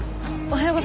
おはよう。